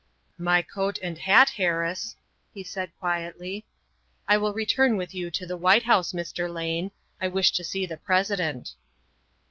" My coat and hat, Harris," he said quietly. "I will return with you to the White House, Mr. Lane. I wish to see the President."